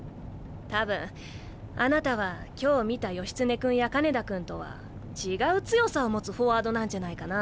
多分あなたは今日見た義経君や金田君とは違う強さを持つフォワードなんじゃないかな？